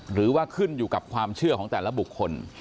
หรือว่าขึ้นอยู่กับความเชื่อของแต่ละบุคคล